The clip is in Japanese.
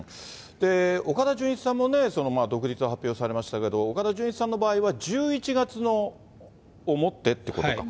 岡田准一さんもね、独立を発表されましたけど、岡田准一さんの場合は１１月をもってということか。